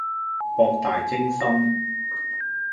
博大精深